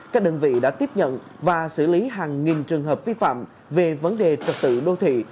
các đơn vị đã tiếp nhận và xử lý hàng nghìn trường hợp vi phạm về vấn đề trật tự đô thị